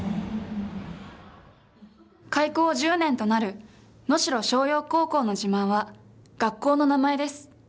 開校１０年となる能代松陽高校の自慢は、学校の名前です。